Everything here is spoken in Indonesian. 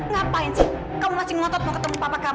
ngapain sih kamu masih ngotot mau ketemu papa kamu